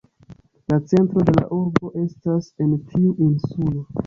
La centro de la urbo estas en tiu insulo.